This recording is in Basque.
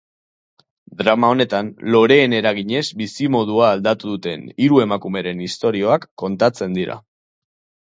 Drama honetan, loreen eraginez bizimodua aldatu duten hiru emakumeren istorioak kontatzen dira.